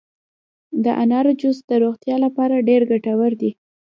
د انارو جوس د روغتیا لپاره ډیر ګټور دي.